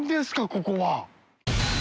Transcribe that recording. ここは。